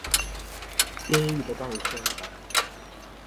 監獄的誕生